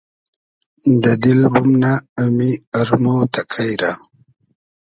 دۂ دیل بومنۂ امی ارمۉ تئکݷ رۂ